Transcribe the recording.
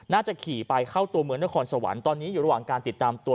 น่าจะขี่ไปเข้าตัวเมืองนครสวรรค์ตอนนี้อยู่ระหว่างการติดตามตัว